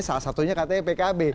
salah satunya katanya pkb